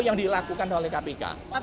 yang dilakukan oleh kpk